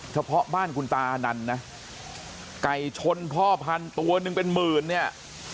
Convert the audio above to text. เฉพาะบ้านคุณตาอันนั้นนะไก่ชนพ่อพันตัวนึงเป็นหมื่นเนี้ย